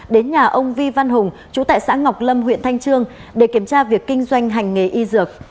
đến nhà ông vi văn hùng chú tại xã ngọc lâm huyện thanh trương để kiểm tra việc kinh doanh hành nghề y dược